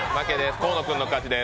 河野君の勝ちです。